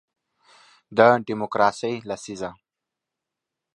د دیموکراسۍ لسیزه